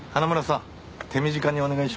手短にお願いしますよ。